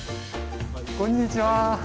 こんにちは。